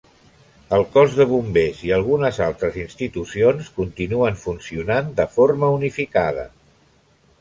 El cos de bombers i algunes altres institucions continuen funcionant de forma unificada.